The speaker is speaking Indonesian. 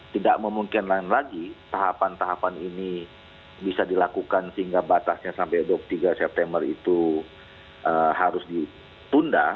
tidak memungkinkan lagi tahapan tahapan ini bisa dilakukan sehingga batasnya sampai dua puluh tiga september itu harus ditunda